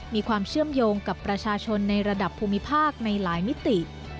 มีความเชื่อมโยงกับประชาชนในระดับภูมิภาคในหลายมิติ